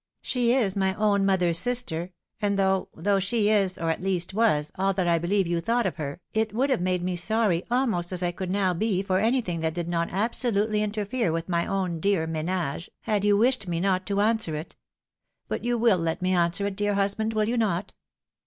She is my own mother's sister ; and though — though she is, or at least was, all that I beheye you thought her, it would have made me as sorry almost as I could now be for anything that did not absolutely interfere with my own dear menage, had you wished me not to answer it. But you will let me answer it, dear husband, will you not?